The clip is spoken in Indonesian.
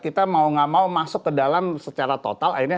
kita mau gak mau masuk ke dalam secara total akhirnya